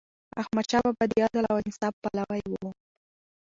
احمدشاه بابا د عدل او انصاف پلوی و.